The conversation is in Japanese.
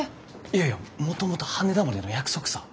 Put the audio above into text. いやいやもともと羽田までの約束さぁ。